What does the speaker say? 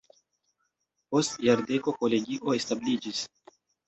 Post jardeko kolegio establiĝis.